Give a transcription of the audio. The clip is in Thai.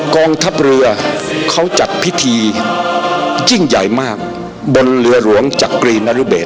กองทัพเรือเขาจัดพิธียิ่งใหญ่มากบนเรือหลวงจักรีนรุเบศ